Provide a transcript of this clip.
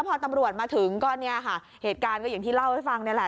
พอตำรวจมาถึงก็เนี่ยค่ะเหตุการณ์ก็อย่างที่เล่าให้ฟังนี่แหละ